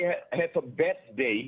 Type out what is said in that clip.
ada hari yang buruk